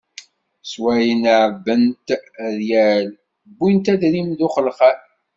Zwayel ɛebbant rryal, wwint adrim d uxelxal.